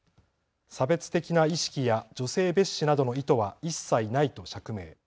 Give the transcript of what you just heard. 差別的な意識や女性蔑視などの意図は一切ないと釈明。